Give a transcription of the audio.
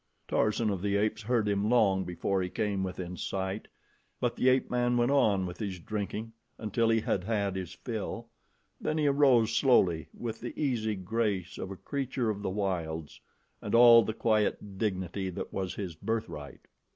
Tarzan of the Apes heard him long before he came within sight, but the ape man went on with his drinking until he had had his fill; then he arose, slowly, with the easy grace of a creature of the wilds and all the quiet dignity that was his birthright.